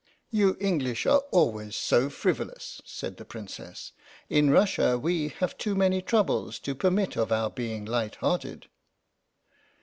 " You English are always so frivolous," said the Princess. '^ In Russia we have too many troubles to permit of our being light hearted."